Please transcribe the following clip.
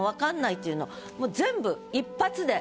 全部一発で。